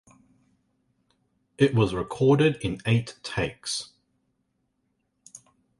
It was recorded in eight takes.